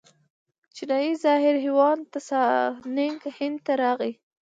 چینایي زایر هیوان تسانګ هند ته راغی.